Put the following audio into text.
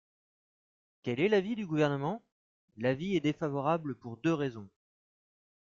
Quel est l’avis du Gouvernement ? L’avis est défavorable pour deux raisons.